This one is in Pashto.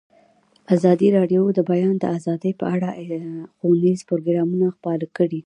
ازادي راډیو د د بیان آزادي په اړه ښوونیز پروګرامونه خپاره کړي.